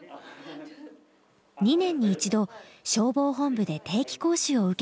２年に一度消防本部で定期講習を受けています。